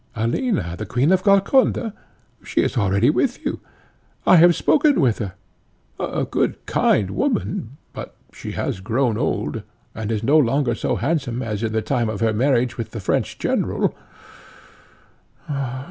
Alina, the queen of Golconda? she is already with you; I have spoken with her a good kind woman, but she has grown old, and is no longer so handsome as in the time of her marriage with the French general.